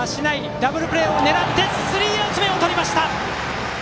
ダブルプレーを狙ってスリーアウト目を取りました！